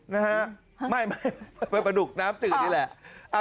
นะฮะไม่ไปปลาดุกน้ำจืดนี่แหละ